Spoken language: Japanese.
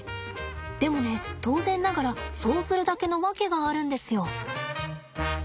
でもね当然ながらそうするだけの訳があるんですよ。